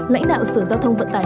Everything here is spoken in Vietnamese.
lãnh đạo sở giao thông vận tải